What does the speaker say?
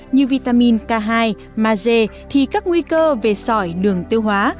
như vitamin k hai maze thì các nguy cơ về sỏi đường tiêu hóa